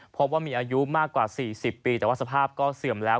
พบว่ามีอายุมากกว่า๔๐ปีแต่ว่าสภาพก็เสื่อมแล้ว